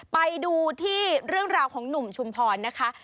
ไปดูที่เรื่องราวของหนุ่มชุมพรนะคะ